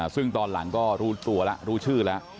ซึ่งตอนหลังก็รู้ตัวแล้วรู้ชื่อแล้ว